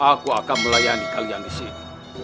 aku akan melayani kalian disini